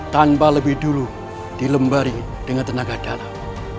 tanpa lebih dulu dilembari dengan tenaga dalam